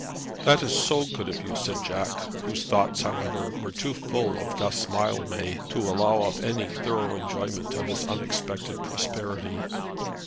"That is so good of you!" said Jack, whose thoughts, however, were too full of Guss Mildmay to allow of any thorough enjoyment of his unexpected prosperity.